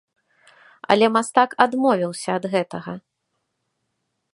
Але мастак адмовіўся ад гэтага.